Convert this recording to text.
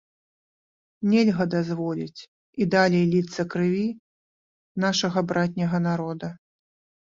Нельга дазволіць і далей ліцца крыві нашага братняга народа.